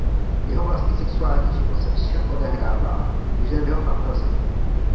Jeho vlastní sexuální život se však odehrává už jen v jeho fantazii.